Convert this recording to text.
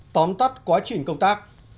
tóm tắt quá trình công tác